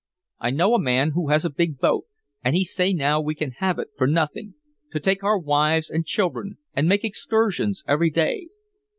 I know a man who has a big boat and he say now we can have it for nothing to take our wives and children and make excursions every day.